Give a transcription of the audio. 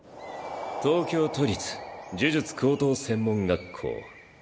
東京都立呪術高等専門学校。